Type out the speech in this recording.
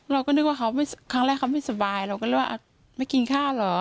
เราก็นึกว่าเขาครั้งแรกเขาไม่สบายเราก็เลยว่าไม่กินข้าวเหรอ